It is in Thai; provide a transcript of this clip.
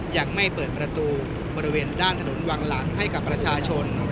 ยังไม่เปิดประตูบริเวณด้านถนนวังหลังให้กับประชาชน